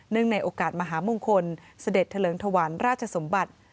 ในโอกาสมหามงคลเสด็จเถลิงถวันราชสมบัติ